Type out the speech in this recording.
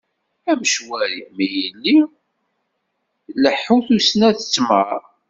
Am ucwari mi yelli, Ileḥḥu tusna tettmar.